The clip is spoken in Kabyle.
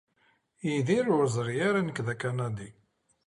Yidir ur yeẓri ara nekk d akanadi.